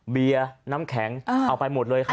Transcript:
เบียร์น้ำแข็งเอาไปหมดเลยครับ